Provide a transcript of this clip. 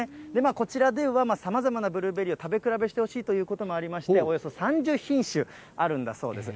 こちらでは、さまざまなブルーベリーを食べ比べしてほしいということもありまして、およそ３０品種あるんだそうです。